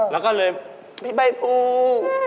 แล้วก็เลยพี่ใบฟู